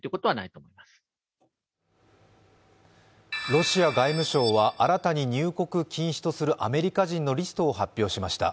ロシア外務省は新たに入国禁止とするアメリカ人のリストを発表しました。